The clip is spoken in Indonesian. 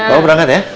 bawa berangkat ya